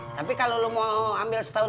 tapi kalau lo mau ambil setahun